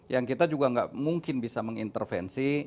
yang kita juga nggak mungkin bisa mengintervensi